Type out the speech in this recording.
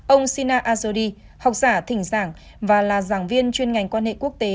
ông sina azudi học giả thỉnh giảng và là giảng viên chuyên ngành quan hệ quốc tế